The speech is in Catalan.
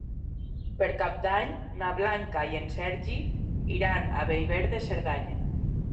Per Cap d'Any na Blanca i en Sergi iran a Bellver de Cerdanya.